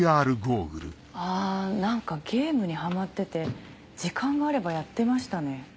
あぁ何かゲームにハマってて時間があればやってましたね。